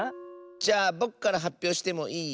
じゃあぼくからはっぴょうしてもいい？